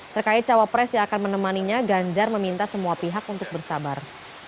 terkait cawapres yang akan menemaninya ganjar meminta semua pihak untuk bersabar